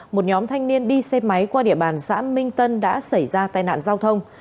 một nhóm thanh niên đi xe máy qua địa bàn xã minh tân đã xảy ra tai nạn giao thông